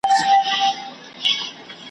یو تر بله یې په ساندوکي سیالي وه ,